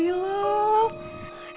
emek itu senang dengarnya